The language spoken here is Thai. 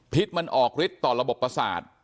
มันออกฤทธิ์ต่อระบบประสาท